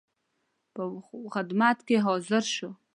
په خدمت کې حاضر شو.